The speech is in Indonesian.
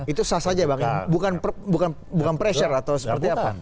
itu sah saja bang bukan pressure atau seperti apa